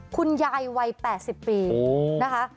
คุณยายวัย๘๐ปีนะคะ